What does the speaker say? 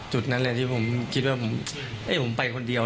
จุดนั้นแหละที่ผมคิดว่าผมไปคนเดียว